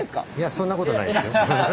そんなことないです。